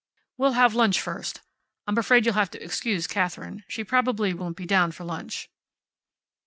"We'll have lunch first. I'm afraid you'll have to excuse Katherine. She probably won't be down for lunch."